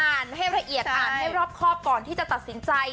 ให้ละเอียดอ่านให้รอบครอบก่อนที่จะตัดสินใจ